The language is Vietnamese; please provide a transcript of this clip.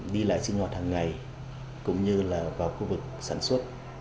đi lại sinh hoạt hàng ngày cũng như là vào khu vực sản xuất